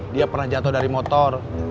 dia pernah jatuh dari motor